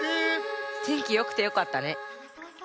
てんきよくてよかったね。